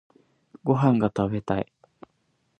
ご飯が食べたい